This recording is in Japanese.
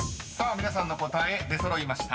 ［皆さんの答え出揃いました］